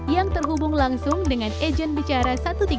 yang terhubung langsung dengan agent bicara satu ratus tiga puluh